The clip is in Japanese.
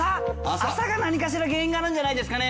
麻が何かしら原因があるんじゃないですかね。